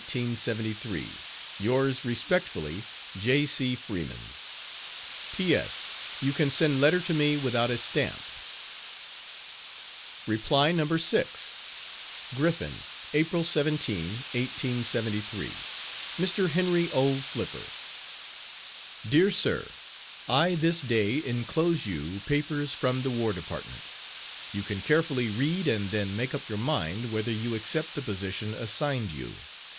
Yours respectfully, J. C. FREEMAN. P.S. You can send letter to me without a stamp. Reply No. 6. GRIFFIN, April 17, 1873. MR. HENRY O. FLIPPER. DEAR SIR: I this day inclose you papers from the War Department. You can carefully read and then make up your mind whether you accept the position assigned you.